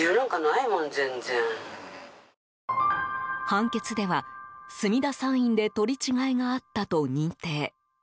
判決では墨田産院で取り違えがあったと認定。